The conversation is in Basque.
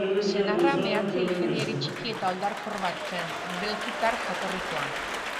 Senarra meatze-ingeniari txiki eta oldarkor bat zen, belgikar jatorrikoa.